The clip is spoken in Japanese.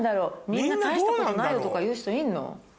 みんな大したことないよとか言う人いるの？